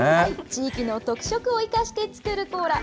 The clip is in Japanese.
地域の特色を生かして作るコーラ。